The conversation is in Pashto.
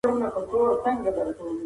تورم د اسعارو ارزښت کمښت ښيي.